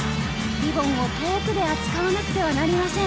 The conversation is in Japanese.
リボンを遠くで扱わなくてはなりません。